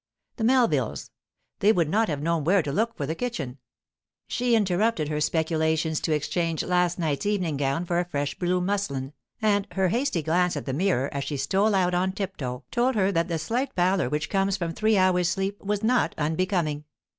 The Melvilles! They would not have known where to look for the kitchen. She interrupted her speculations to exchange last night's evening gown for a fresh blue muslin, and her hasty glance at the mirror as she stole out on tiptoe told her that the slight pallor which comes from three hours' sleep was not unbecoming.